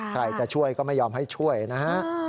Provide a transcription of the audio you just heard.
ใครจะช่วยก็ไม่ยอมให้ช่วยนะฮะ